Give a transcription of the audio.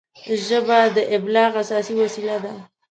ژبه د ابلاغ اساسي وسیله ده